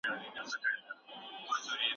د هيواد د پرمختګ لپاره ملي توليدات وکاروئ.